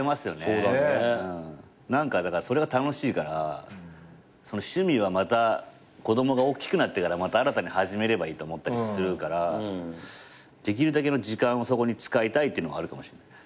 それが楽しいから趣味は子供が大きくなってからまた新たに始めればいいと思ったりするからできるだけの時間をそこに使いたいっていうのがあるかも。